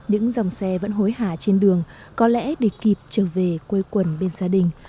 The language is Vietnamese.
những dòng xe vẫn hối hả trên đường có lẽ để kịp trở về quê quần bên gia đình